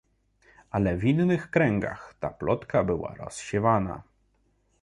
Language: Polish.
Ale w innych kręgach ta plotka była rozsiewana